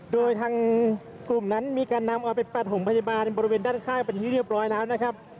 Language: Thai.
โดยทางกลุ่มนั้นมีการนำเอาไปประถมพยาบาลบริเวณด้านข้างเป็นที่เรียบร้อยแล้วนะครับ